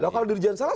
kalau dirjen salah